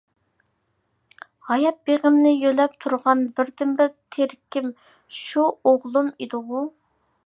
ھايات بېغىمنى يۆلەپ تۇرغان بىردىنبىر تىرىكىم شۇ ئوغلۇم ئىدىغۇ.